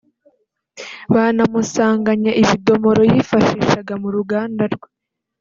banamusanganye ibidomoro yifashishaga mu ruganda rwe